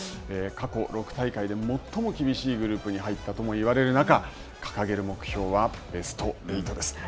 過去６大会で最も厳しいグループに入ったとも言われる中、掲げる目標はベスト８です。